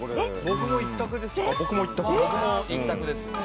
僕も１択ですね。